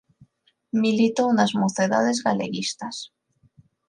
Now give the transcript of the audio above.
Militou nas Mocedades Galeguistas.